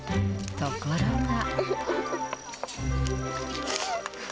ところが。